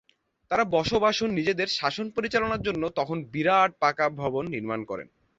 তারা বসবাস ও নিজেদের শাসন পরিচালনার জন্য তখন বিরাট পাকা ভবন নির্মাণ করেন।